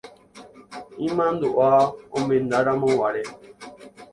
Imandu'a omendaramoguare.